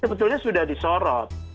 sebetulnya sudah disorot